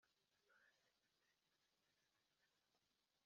Mu biguruka byose, uruyuki ruri mu bito cyane,